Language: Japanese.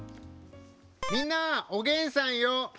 みんな、おげんさんよ。